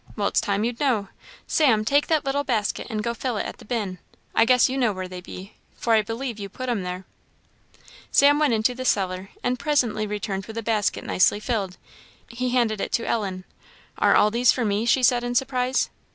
Well, it's time you'd know. Sam, take that little basket and go fill it at the bin; I guess you know where they be, for I believe you put 'em there." Sam went into the cellar, and presently returned with the basket nicely filled. He handed it to Ellen. "Are all these for me?" she said in surprise.